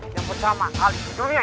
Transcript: yang pertama kali di dunia ini